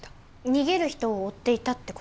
逃げる人を追っていたって事？